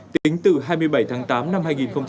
tính từ hai mươi bảy tháng tám năm hai nghìn hai mươi